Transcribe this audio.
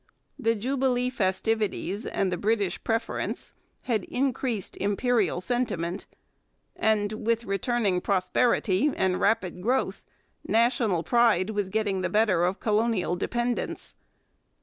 The Jubilee festivities and the British preference had increased imperial sentiment; and, with returning prosperity and rapid growth, national pride was getting the better of colonial dependence.